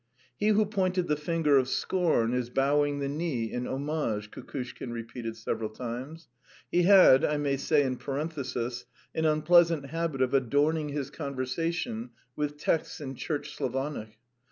"He who pointed the finger of scorn is bowing the knee in homage," Kukushkin repeated several times. He had, I may say in parenthesis, an unpleasant habit of adorning his conversation with texts in Church Slavonic.